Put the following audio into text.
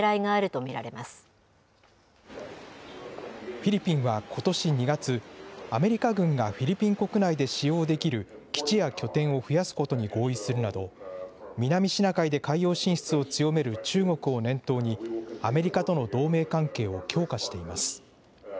フィリピンはことし２月、アメリカ軍がフィリピン国内で使用できる基地や拠点を増やすことに合意するなど、南シナ海で海洋進出を強める中国を念頭に、アメリカとの同盟関係を強化しています。